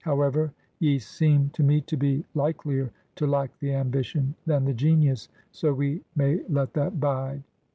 However, ye seem to me to be likelier to lack the ambition than the genius, so we may let that bide.